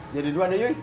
jadi dua deh uy